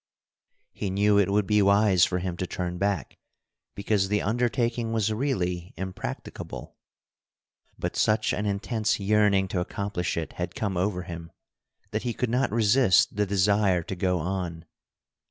He knew it would be wise for him to turn back, because the undertaking was really impracticable. But such an intense yearning to accomplish it had come over him that he could not resist the desire to go on.